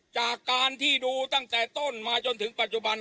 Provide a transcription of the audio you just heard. จากการที่ดูตั้งแต่ต้นมาจนถึงปัจจุบัน